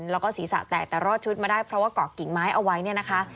แล้วก็ศีรษะแตกแต่รอดชุดมาได้เพราะว่าเกาะกิ่งไม้เอาไว้เนี่ยนะคะ